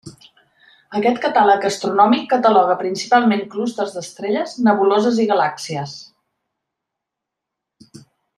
Aquest catàleg astronòmic cataloga principalment clústers d'estrelles, nebuloses i galàxies.